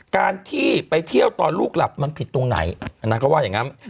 การที่ไปเที่ยวตอนลูกหลับมันผิดตรงไหนนางก็ว่าอย่างนั้น